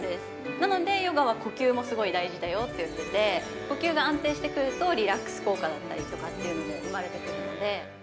なので、ヨガは呼吸もすごい大事だよって言ってて、呼吸が安定してくると、リラックス効果だったりとかっていうのも生まれてくるので。